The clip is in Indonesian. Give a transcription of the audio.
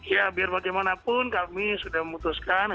ya biar bagaimanapun kami sudah memutuskan